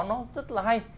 nó rất là hay